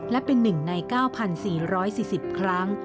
และเป็น๑ใน๙๔๔๐ครั้ง